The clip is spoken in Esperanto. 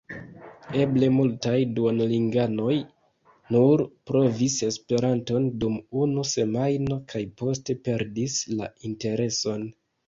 Eble multaj duolinganoj nur provis Esperanton dum unu semajno kaj poste perdis la intereson.